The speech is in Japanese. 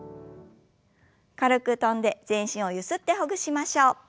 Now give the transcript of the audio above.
軽く跳んで全身をゆすってほぐしましょう。